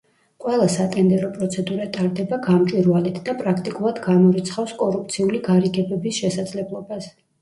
ყველა სატენდერო პროცედურა ტარდება გამჭვირვალედ და პრაქტიკულად გამორიცხავს კორუფციული გარიგებების შესაძლებლობას.